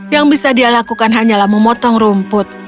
yang bisa dia lakukan hanyalah memotong rumput